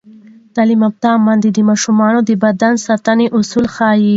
تعلیم یافته میندې د ماشومانو د بدن ساتنې اصول ښيي.